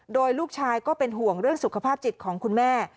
โดยลูกชายก็เป็นห่วงเรื่องสุขภาพจิตของคุณแม่